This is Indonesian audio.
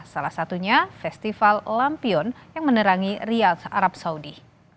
salah satunya festival lampion yang menerangi riyadh arab saudi